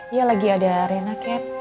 iya lagi ada rena kat